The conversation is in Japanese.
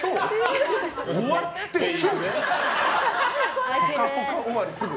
終わってすぐ？